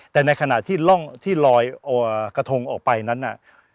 แต่ในขณะที่ลอยกระทงออกไปนั้นน่ะ